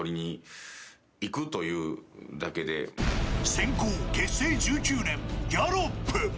先攻、結成１９年ギャロップ。